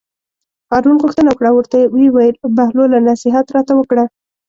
هارون غوښتنه وکړه او ورته ویې ویل: بهلوله نصیحت راته وکړه.